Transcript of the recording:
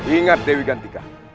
ingat dewi gantika